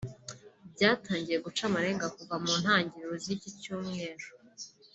Byatangiye guca amarenga kuva mu ntangiriro z’iki cyumweru